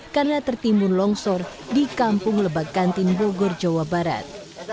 karena tertimbun longsor di kampung lebak kantin bogor jawa barat